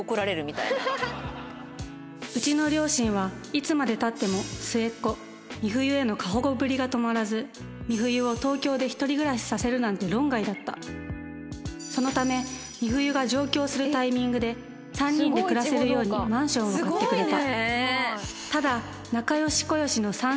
うちの両親はいつまで経っても末っ子美冬への過保護ぶりが止まらず美冬をそのため美冬が上京するタイミングで３人で暮らせるようにマンションを買ってくれた